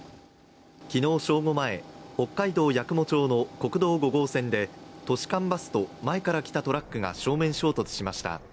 昨日正午前北海道八雲町の国道５号線で都市間バスと前から来たトラックが正面衝突しました。